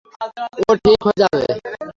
ও ঠিক হয়ে যাবে!